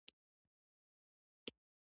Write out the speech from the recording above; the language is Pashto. او په خوند یې زمزمې کولې.